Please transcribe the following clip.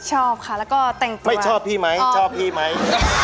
ชอบค่ะแล้วก็แต่งตัวไม่ชอบพี่ไหมชอบพี่ไหม